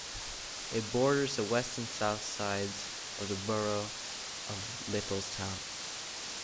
It borders the west and south sides of the borough of Littlestown.